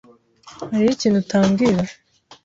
Hariho ikintu utambwira.